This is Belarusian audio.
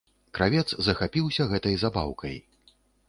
Кравец захапіўся гэтай забаўкай.